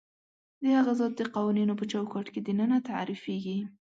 د هغه ذات د قوانینو په چوکاټ کې دننه تعریفېږي.